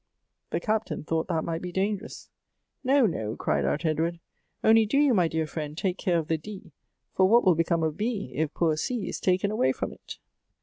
The Captain thought that might be dangerous. " No, no !" cried out Edward. " Only do you, ray dear friend, take carie of the D, for what will become of B, if poor C is taken away from it